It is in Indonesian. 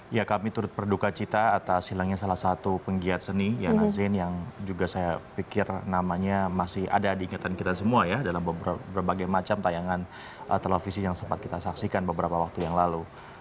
ya kami turut berduka cita atas hilangnya salah satu penggiat seni yana zain yang juga saya pikir namanya masih ada diingatan kita semua ya dalam berbagai macam tayangan televisi yang sempat kita saksikan beberapa waktu yang lalu